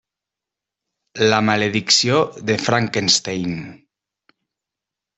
La maledicció de Frankenstein.